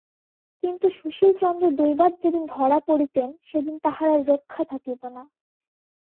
কিন্তু সুশীলচন্দ্র দৈবাৎ যেদিন ধরা পড়িতেন সেদিন তাঁহার আর রক্ষা থাকিত না।